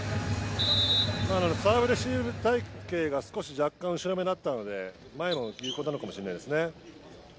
サーブレシーブ体形が若干後ろめだったので前のほうが有効なのかもしれないですね。